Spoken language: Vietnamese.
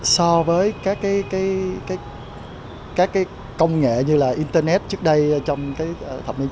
so với các công nghệ như là internet trước đây trong thập niên chín